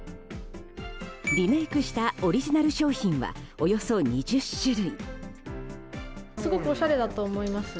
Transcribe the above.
リメイクしたオリジナル商品はおよそ２０種類。